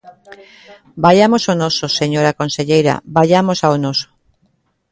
Vaiamos ao noso, señora conselleira, vaiamos ao noso.